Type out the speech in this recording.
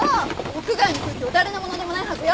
屋外の空気は誰のものでもないはずよ！